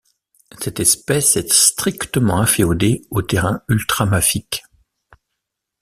Cette espèce est strictement inféodée aux terrains ultramafiques.